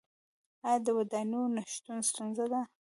آیا د ودانیو نشتون ستونزه ده؟